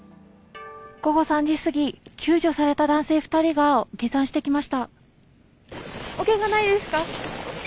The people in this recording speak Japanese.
午後３時過ぎ、救助された男性２人が下山してきました。